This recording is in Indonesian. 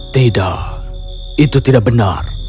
tidak itu tidak benar